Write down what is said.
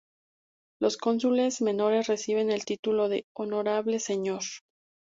Los cónsules menores reciben el título de "Honorable Señor".